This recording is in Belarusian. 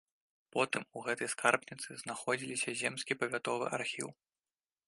Потым у гэтай скарбніцы знаходзіліся земскі павятовы архіў.